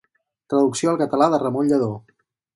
Traducció al català de Ramon Lladó.